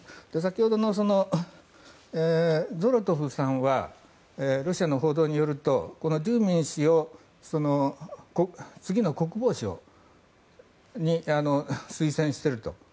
先ほどのゾロトフさんはロシアの報道によるとデューミン氏を次の国防相に推薦してると。